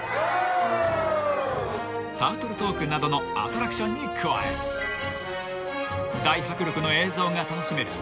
［タートル・トークなどのアトラクションに加え大迫力の映像が楽しめる